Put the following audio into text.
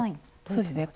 そうですね。